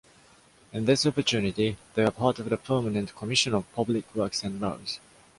In this opportunity, they were part of the permanent commission of Public Works and Roads.